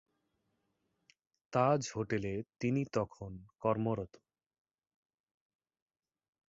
তাজ হোটেলে তিনি তখন কর্মরত।